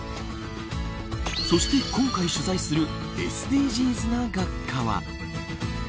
そして今回、取材するＳＤＧｓな学科は。